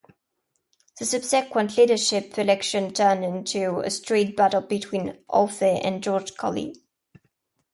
The subsequent leadership election turned into a straight battle between Haughey and George Colley.